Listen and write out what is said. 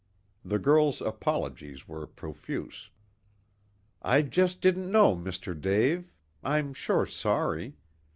The girl's apologies were profuse. "I jest didn't know, Mr. Dave. I'm sure sorry.